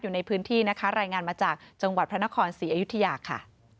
อยู่ในพื้นที่นะคะรายงานมาจากจังหวัดพระนครศรีอยุธยาค่ะ